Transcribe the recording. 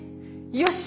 よし！